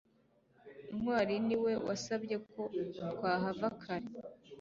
ntwali niwe wasabye ko twahava kare